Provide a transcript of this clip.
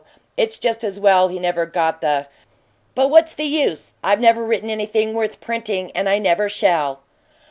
It's just as well he never got the But what's the use? I've never written anything worth printing, and I never shall."